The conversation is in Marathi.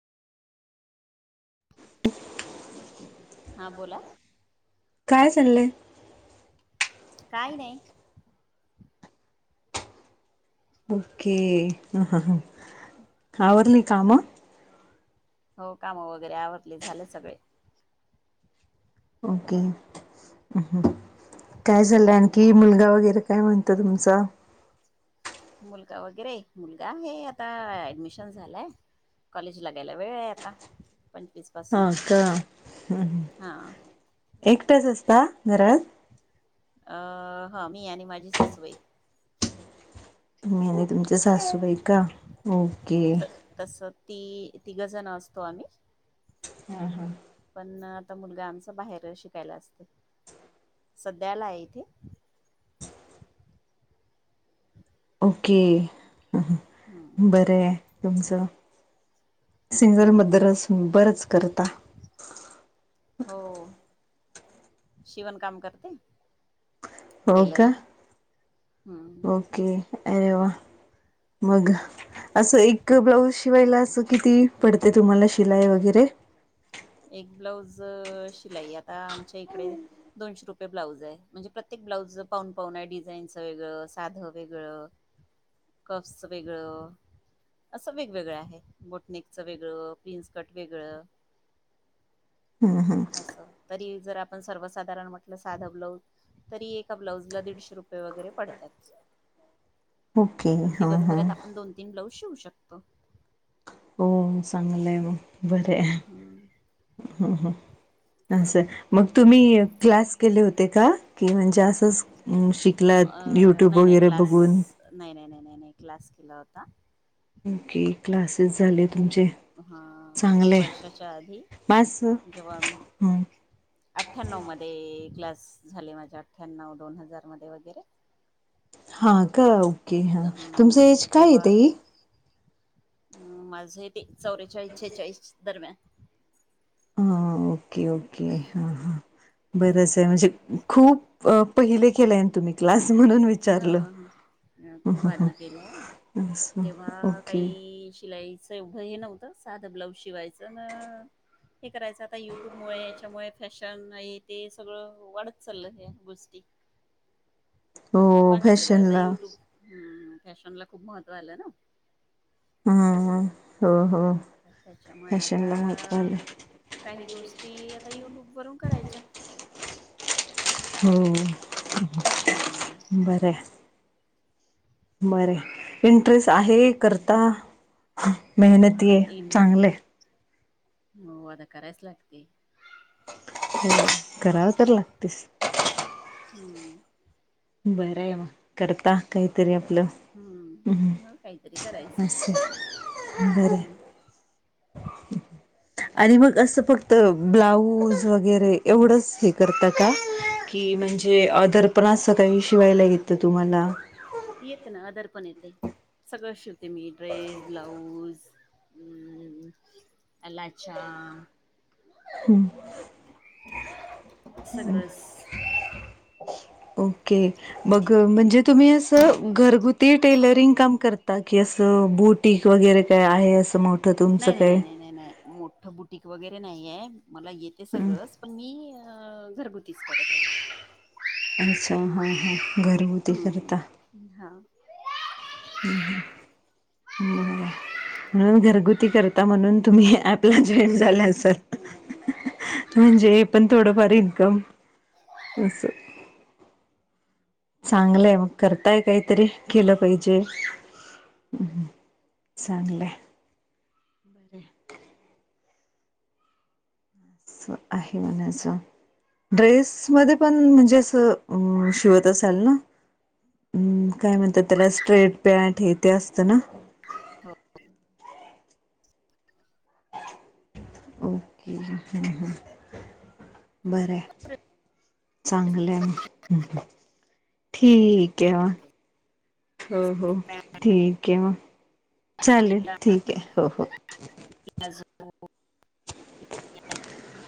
[inaudible] हा बोला काय चाललंय काय नाही ओके ह ह आवरली काम हो हो काम वगैरे आवरले झाले सगळे ओके काय झालंय आणखी मुलगा वगैरे काय म्हणत तुमचा मुलगा वगैरे मुलगा हे आता ऍडमिशन झालाय कॉलेजलागायला वेळय आता पंचवीस हा पासून का हं हा एकटेच असता घरात? अ हा मी आणि माझी सासुबाई- तुम्ही आणि तुमच्या सासूबाई का ओके तस ती तिघजण असतो आम्ही हा हा आता मुलगा आमच बाहेर शिकायला असतेय सध्यालाय इथे ओके हम्म बरंय तुमचं सिंगल हम्म मदर असून बरच करता [inaudible] शिवण काम करते हो का टेलरिंग हम्म ओके अरे वा! मग असं एक ब्लाऊज शिवायला असं किती पडते तुम्हाला शिलाई वगैरे? एक ब्लाऊज शिलाई आता आमच्या इकडे दोनशे रुपये ब्लाउज आहे, म्हणजे प्रत्येक ब्लाऊज पाहून पाहून आहे डिझाईनचं वेगळं, साधं वेगळं कप्सच वेगळं असं वेगवेगळं आहे. बोटनेकचं वेगळं प्रिन्स कट वेगळं हम्म हम्म असं तरी जर आपण सर्वसाधारण म्हटलं साधा ब्लाऊज तरी एका ब्लाऊजला दीडशे रुपये वगैरे पडतात. ओके तर हं हं दिवसभरात आपण दोन तीन ब्लाऊज शिवू शकतो हो चांगलंय म बरंय हम्म, असं हम्म. मग तुम्ही क्लास केले होते का? कि म्हणजे असच शिक अ नाही नाही क्लास नाही नाही नाही नाही नाही क्लास केला होता ओके क्लासेस झाले तुमचे हा खूप चांगले वर्षाच्या आधी माझ जेव्हा आठ्यानव मध्ये क्लास झाले माझे व आठ्यान्नव दोन हजार मध्ये वगैरे हा का ओके हा तुमचं एज काय ताई? हम माझं येज चौवेचाळीस सेहचाळीस दरम्यान हां ओके ओके हां हां बरंचं आहे म्हणजे खूप अ पहिले केले तुम्ही क्लास म्हणून विचारलं अ खूप आधी केलाय असं तेव्हा ओके काही शिलाई एवढं हे नव्हतं साधं ब्लाऊज शिवायचं न हे करायचं आता युट्यूबमुळे याच्यामुळे फॅशन आहे ते सगळं वाढत चालल ह्या गोष्टी ह [inaudible] बाकी सगळं आता युट्यूब फॅशनला खूप महत्त्व आलं ना हम् हो हो त्याच्यामुळे आता फॅशनला महत्त्व आलं. काही गोष्टी आता युट्यूब वरून करायच्या हो हम्म बरंय बरंय इंटरेस्ट आहे करता मेहनती इन चांगलय हो आता करायच लागतय कराव तर लागतेचं हम्म बरंय मग करता काहीतरी आप हम्म मग काहीतरी करायचं असं हम्म रीकामा आहे आणि मग असं फक्त ब्लाऊज वगैरे एवढंच हे करत का [unintelligible] म्हणजे अ दर्पणा सकाळी शिवायला घेत तुम्हाला येते ना आदर पण येते सगळं शिवते मी ड्रेस ब्लाउज अचा हम्म सगळं अस घरगुती टेलरिंग काम करता की असं बुटक वगैरे काय आहे असं मोठ नाही नाही नाही नाही नाही नाही मोठं बुटक वगैरे नाहीये मला येते सगळंच पण मी घरगु अच्छा हा हा घरभुती करता हम्म हा. हम् ह हम् म्हणून घरगुती करता म्हणून तुम्ही आपला जॉईन झाला असल म्हणजे पण थोडंफार इन्कम अस चांगलंय मग करताय काहीतरी केलं पाहिजे हम्म् चांगलंय बरं आहे म्हणाचं ड्रेस मध्ये पण म्हणजे असं शिवत असाल ना हम्म काय म्हणतात त्याला स्ट्रेट पॅन्ट हे ते असतं ना हो ओके ह ह बरं चांगलं ठीक आहे वा हो हो ठीक आहे वा हो चालेल ठीक आहे हो हो रीकामा आहे